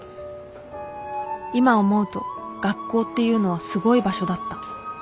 今思うと学校っていうのはすごい場所だった